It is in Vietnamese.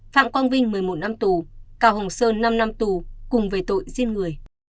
phạm quang vinh một mươi một năm tù cao hồng sơn năm năm tù cùng về tội giết người